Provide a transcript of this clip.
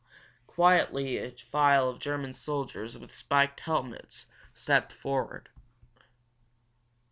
Quietly a file of German soldiers with spiked helmets stepped forward.